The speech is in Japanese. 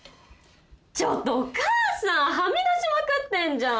ちょっとお母さんはみ出しまくってんじゃん。